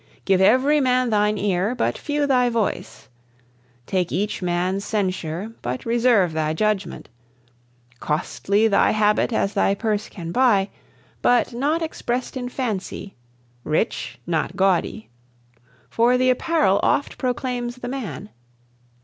Give every man thine ear, but few thy voice: Take each man's censure, but reserve thy judgment. Costly thy habit as thy purse can buy But not expressed in fancy; rich, not gaudy: For the apparel oft proclaims the man.